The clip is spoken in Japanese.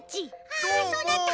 あっそうだった！